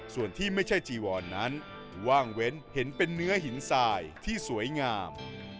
ส่วนที่ไม่ใช่จีวอนนั้นว่างเว้นเห็นเป็นเนื้อหินทรายที่สวยงาม